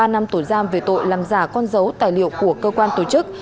ba năm tù giam về tội làm giả con dấu tài liệu của cơ quan tổ chức